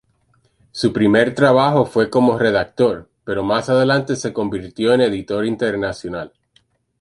Su primer trabajo fue como redactor, pero más adelante se convirtió en editor internacional.